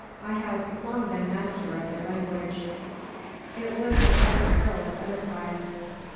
I have long been master of their language." "It would have been a perilous enterprise."